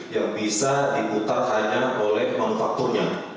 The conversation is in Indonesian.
yang bisa diputar hanya oleh manufakturnya